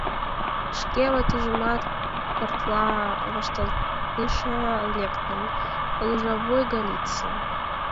Шке ватыжымат картла вашталтыше лектын: лужавуй Голицын.